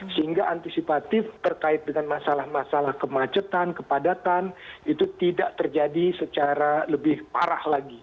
sehingga antisipatif terkait dengan masalah masalah kemacetan kepadatan itu tidak terjadi secara lebih parah lagi